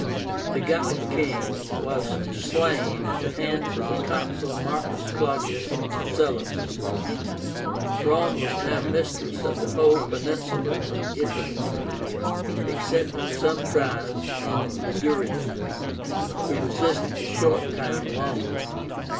The Gallic king was slain at the hands of the Consul MARCUS CLAUDIUS MARCELLUS. PAGE 61 Rome was now mistress of the whole peninsula of Italy, excepting some tribes in Liguria, who resisted a short time longer.